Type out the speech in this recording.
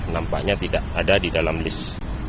nampaknya tidak ada di dalam list